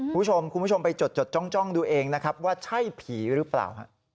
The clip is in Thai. คุณผู้ชมไปจดจ่องดูเองนะครับว่าใช่ผีหรือเปล่า